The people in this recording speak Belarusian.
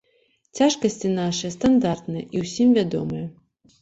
Цяжкасці нашыя стандартныя і ўсім вядомыя.